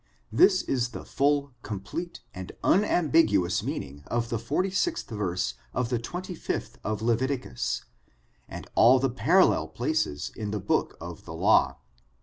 This is the full, complete and unambiguous meaning of the 46th verse of the xxvth of Leviticus, and all the parcUlel places in the book of the law.